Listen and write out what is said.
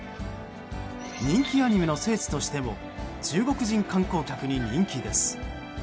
人気アニメの聖地としても中国人観光客に人気です。